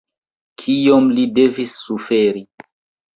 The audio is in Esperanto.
Kiom li devis suferi!